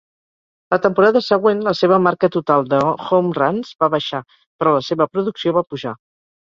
La temporada següent, la seva marca total de home runs va baixar, però la seva producció va pujar.